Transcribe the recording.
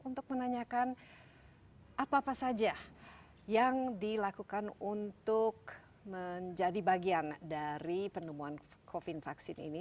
untuk menanyakan apa apa saja yang dilakukan untuk menjadi bagian dari penemuan covid vaksin ini